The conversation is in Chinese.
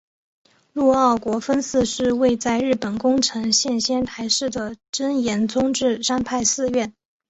陆奥国分寺是位在日本宫城县仙台市的真言宗智山派寺院。